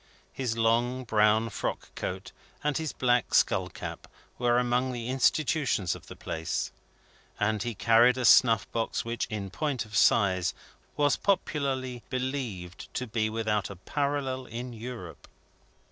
His long brown frock coat and his black skull cap, were among the institutions of the place: and he carried a snuff box which, in point of size, was popularly believed to be without a parallel in Europe.